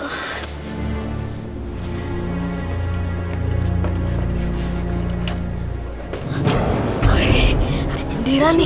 wih ada cendela nih